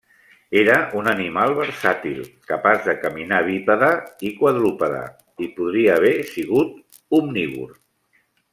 Era un animal versàtil, capaç de caminar bípede i quadrúpede, i podria haver sigut omnívor.